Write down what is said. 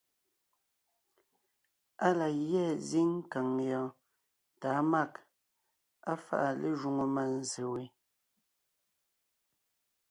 Á la gyɛ́ zíŋ kàŋ yɔɔn tà á mâg, á fáʼa lé jwoŋo mânzse we,